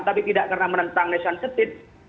tapi tidak karena menentang nation state